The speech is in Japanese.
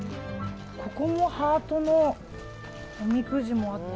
ここもハートのおみくじもあって。